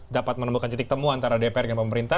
dapat menemukan titik temu antara dpr dengan pemerintah